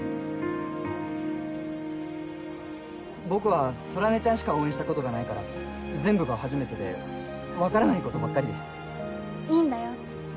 僕は空音ちゃんしか応援したことがないから全部が初めてで分からないことばっかりでいいんだよ